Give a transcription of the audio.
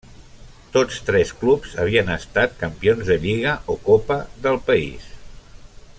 Tots tres clubs havien estat campions de lliga o copa del país.